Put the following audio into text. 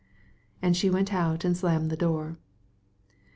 And she went out, slamming the door.